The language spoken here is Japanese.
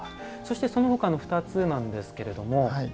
そしてそのほかの２つなんですが。